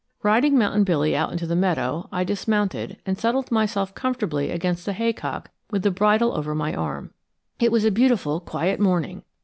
Riding Mountain Billy out into the meadow, I dismounted, and settled myself comfortably against a haycock with the bridle over my arm. It was a beautiful quiet morning.